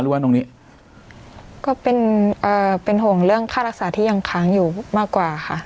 หรือว่าตรงนี้ก็เป็นเอ่อเป็นห่วงเรื่องค่ารักษาที่ยังค้างอยู่มากกว่าค่ะ